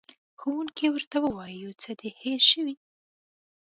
ښوونکی ورته وایي، یو څه دې هېر شوي.